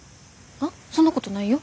そんなことないよ。